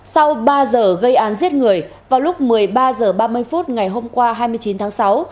sau ba giờ gây án giết người vào lúc một mươi ba h ba mươi phút ngày hôm qua hai mươi chín tháng sáu